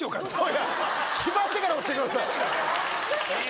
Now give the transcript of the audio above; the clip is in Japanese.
決まってから押してください。